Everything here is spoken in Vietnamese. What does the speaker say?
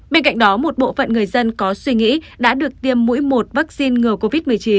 bên cạnh đó một bộ phận người dân có suy nghĩ đã được tiêm mũi một vaccine ngừa covid một mươi chín